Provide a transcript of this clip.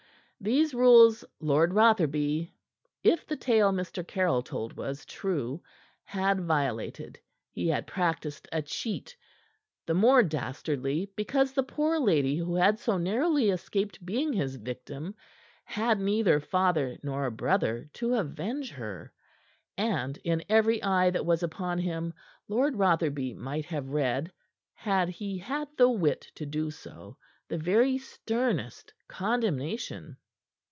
These rules Lord Rotherby if the tale Mr. Caryll told was true had violated. He had practiced a cheat, the more dastardly because the poor lady who had so narrowly escaped being his victim had nether father nor brother to avenge her. And in every eye that was upon him Lord Rotherby might have read, had he had the wit to do so, the very sternest condemnation.